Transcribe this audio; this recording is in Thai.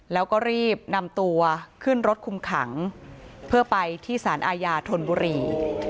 แล้วก็รีบนำตัวขึ้นรถคุมขังเพื่อไปที่สารอาญาธนบุรี